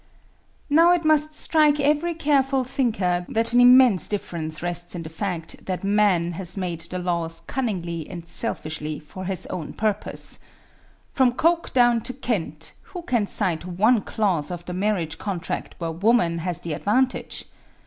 "Now it must strike every careful thinker that an immense difference rests in the fact that man has made the laws cunningly and selfishly for his own purpose. From Coke down to Kent, who can cite one clause of the marriage contract where woman has the advantage?